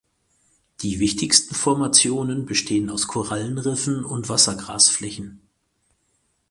Die wichtigsten Formationen bestehen aus Korallenriffen und Wassergrasflächen.